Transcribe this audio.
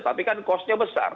tapi kan kosnya besar